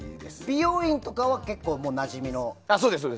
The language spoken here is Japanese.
美容院とかは結構なじみのところ？